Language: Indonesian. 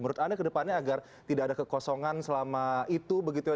menurut anda ke depannya agar tidak ada kekosongan selama itu begitu ya